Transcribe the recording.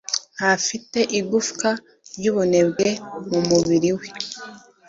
Ntafite igufwa ry'umunebwe mu mubiri we.